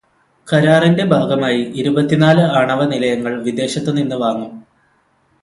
കരാറിന്റെ ഭാഗമായി ഇരുപത്തിനാല് ആണവനിലയങ്ങൾ വിദേശത്തുനിന്ന് വാങ്ങും.